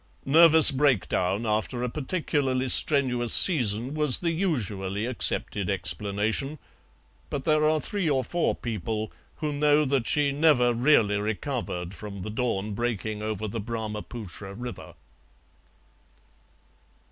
Nervous breakdown after a particularly strenuous season was the usually accepted explanation, but there are three or four people who know that she never really recovered from the dawn breaking over the Brahma putra river.